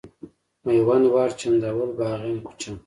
میوند واټ، چنداول، باغبان کوچه،